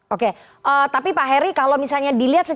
oke tapi pak heri kalau misalnya dilihat ada masalah yang terjadi